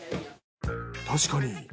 確かに。